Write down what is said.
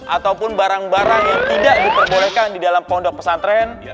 ataupun barang barang yang tidak diperbolehkan di dalam pondok pesantren